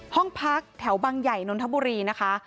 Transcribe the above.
ห้องพักแถวบังใหญ่นนทบุรีนะคะ